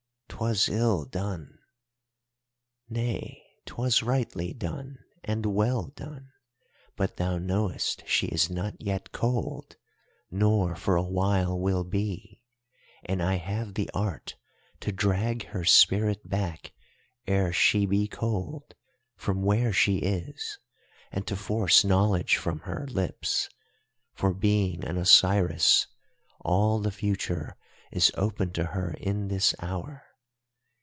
'Twas ill done.' "'Nay, 'twas rightly done and well done. But thou knowest she is not yet cold, nor for a while will be, and I have the art to drag her spirit back ere she be cold, from where she is, and to force knowledge from her lips—for being an Osiris all the future is open to her in this hour.